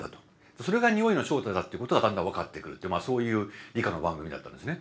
それが匂いの正体だってことがだんだん分かってくるっていうそういう理科の番組だったんですね。